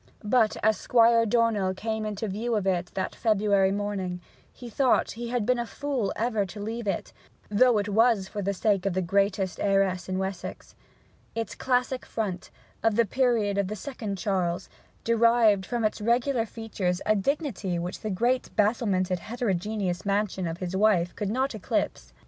But as Squire Dornell came in view of it that February morning, he thought that he had been a fool ever to leave it, though it was for the sake of the greatest heiress in Wessex. Its classic front, of the period of the second Charles, derived from its regular features a dignity which the great, battlemented, heterogeneous mansion of his wife could not eclipse.